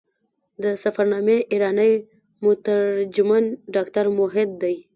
د سفرنامې ایرانی مترجم ډاکټر موحد دی.